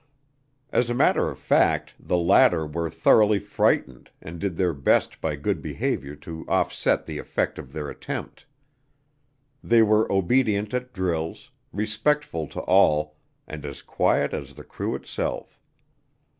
As a matter of fact, the latter were thoroughly frightened and did their best by good behavior to offset the effect of their attempt. They were obedient at drills, respectful to all, and as quiet as the crew itself.